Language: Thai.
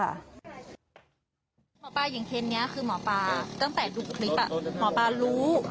หมอปลาอย่างเคสนี้คือหมอปลาตั้งแต่ดูคลิปหมอปลารู้